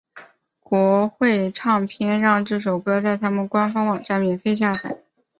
国会唱片让这首歌在他们官方网站上免费下载。